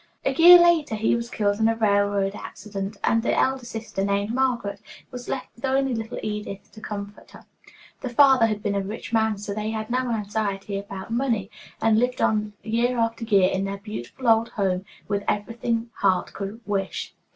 A year later he was killed in a railroad accident, and the elder sister, named Margaret, was left with only little Edith to comfort her. The father had been a rich man, so they had no anxiety about money, and lived on year after year in their beautiful old home, with everything heart could wish.